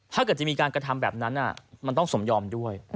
ถ้าเกิดจะมีการกระทำแบบนั้นมันต้องสมยอมด้วย